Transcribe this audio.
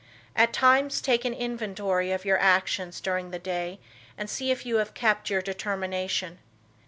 At times take an inventory of your actions during the day and see if you have kept your determination.